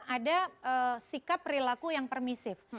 ada sikap perilaku yang permisif